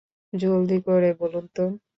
জলদি করে বলুন তো!